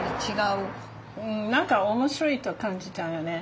うん何か面白いと感じたよね。